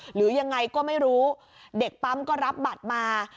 หรือยังไงก็ไม่รู้เด็กปั๊มก็รับบัตรมา